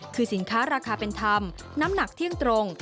คือสินค้าราคาเป็นธรรมน้ำหนักเที่ยงตรง